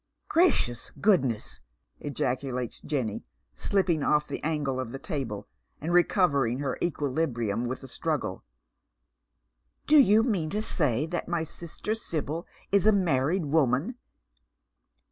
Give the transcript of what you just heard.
"Gracious goodness!" ejaculates Jenny, slipping off the angle of the table, and recovering her equilibrium with a struggle, "do you mean that my sister Sibyl is a manied woman